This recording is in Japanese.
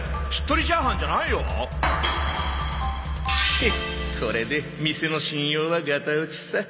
ヘッこれで店の信用はガタ落ちさ。